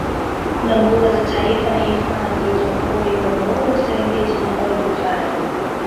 Kuna mbuga za taifa na hifadhi za wanyamapori Ngorongoro Serengeti na Olduvai